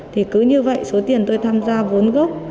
thì cứ như vậy số tiền tôi tham gia vốn gốc